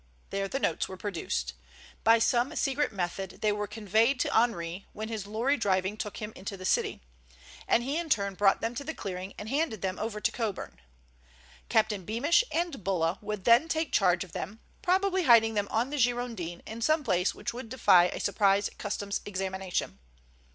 There the notes were produced. By some secret method they were conveyed to Henri when his lorry driving took him into the city, and he in turn brought them to the clearing and handed them over to Coburn. Captain Beamish and Bulla would then take charge of them, probably hiding them on the Girondin in some place which would defy a surprise Customs examination.